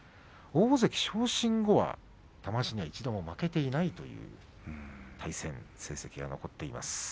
大関昇進後は、玉鷲に一度も負けていないという対戦成績が残っています。